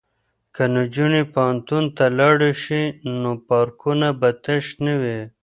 که نجونې پوهنتون ته لاړې شي نو پارکونه به تش نه وي.